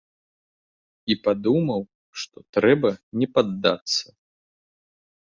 І падумаў, што трэба не паддацца.